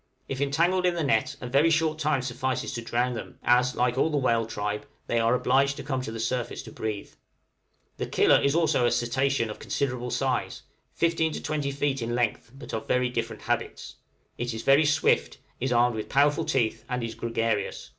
If entangled in the net a very short time suffices to drown them, as, like all the whale tribe, they are obliged to come to the surface to breathe. {KILLERS.} The killer is also a cetacean of considerable size, 15 to 20 feet in length, but of very different habits; it is very swift, is armed with powerful teeth, and is gregarious.